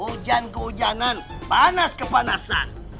hujan kehujanan panas kepanasan